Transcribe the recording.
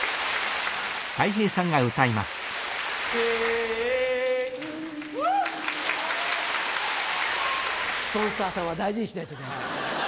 青雲スポンサーさんは大事にしないといけないからね。